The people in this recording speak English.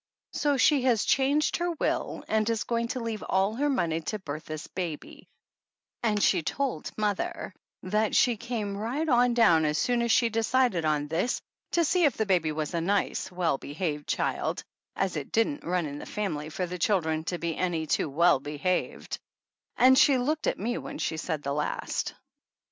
So she has changed her will and is going to leave all her money to Bertha's baby, and she told mother that she came right on down as soon as she decided on this to see if the baby was a nice, well behaved child, as it didn't run in the family for the chil dren to be any too well behaved ; and she looked at me when she said the last.